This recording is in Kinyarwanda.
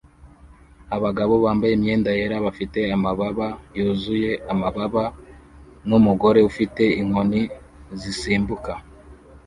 abagabo bambaye imyenda yera bafite amababa yuzuye amababa numugore ufite inkoni zisimbuka